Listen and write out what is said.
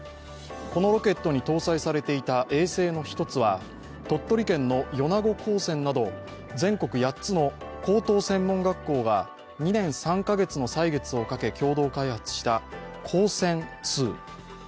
このロケットに搭載されていた衛星の一つは鳥取県の米子高専など、全国８つの高等専門学校が２年３か月の歳月をかけ共同開発した「ＫＯＳＥＮー２」。